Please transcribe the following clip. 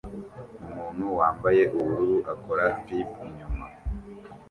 Umuntu wambaye ubururu akora flip inyuma